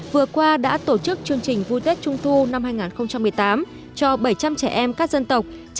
vừa qua đã tổ chức chương trình vui tết trung thu năm hai nghìn một mươi tám cho bảy trăm linh trẻ em các dân tộc